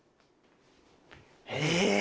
え！